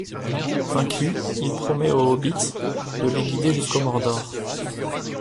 Vaincu, il promet aux Hobbits de les guider jusqu'au Mordor.